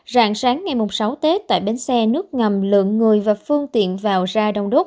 rạng sáng ngày sáu tết tại bến xe nước ngầm lượng người và phương tiện vào ra